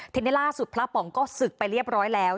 ทีนี้ล่าสุดพระป๋องก็ศึกไปเรียบร้อยแล้ว